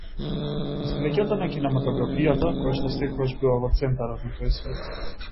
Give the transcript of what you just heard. Низ леќата на кинематографијата, којашто секогаш била во центарот на тој свет.